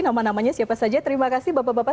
nama namanya siapa saja terima kasih bapak bapak